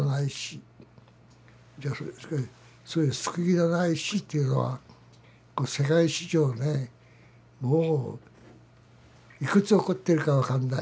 そういう救いのない死というのは世界史上ねもういくつ起こってるか分かんない。